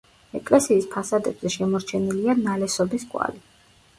ეკლესიის ფასადებზე შემორჩენილია ნალესობის კვალი.